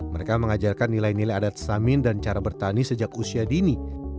mereka mengajarkan nilai nilai adat samin dan cara bertani sejak usia dini